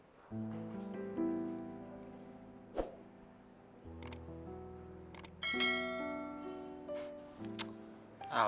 terima kasih bapak